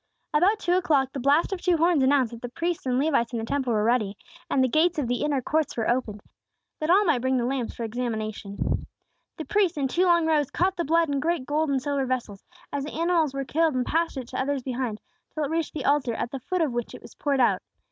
About two o'clock the blast of two horns announced that the priests and Levites in the Temple were ready, and the gates of the inner courts were opened, that all might bring the lambs for examination. The priests, in two long rows, caught the blood in great gold and silver vessels, as the animals were killed, and passed it to others behind, till it reached the altar, at the foot of which it was poured out.